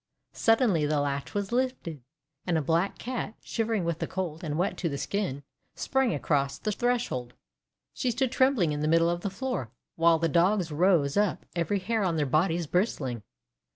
Suddenly the latch was lifted, and a Black Cat, shivering with the cold and wet to the skin, sprang across the threshold. She stood trembling in the middle of the floor, while the Dogs rose up, every hair on their bodies bristling.